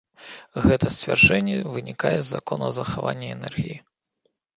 Гэта сцвярджэнне вынікае з закона захавання энергіі.